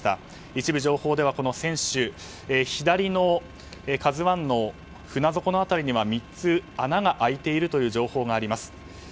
一部情報では船首左の「ＫＡＺＵ１」の船底の辺りには３つの穴が開いているという情報があります。